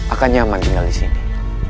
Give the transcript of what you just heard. akan nyaman tinggal di sini